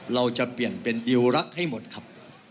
เราจะเปลี่ยนเป็นดิวรักให้หมดครับ